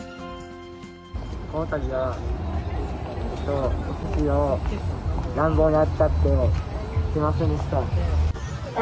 このたびは、おすしを乱暴に扱って、すみませんでした。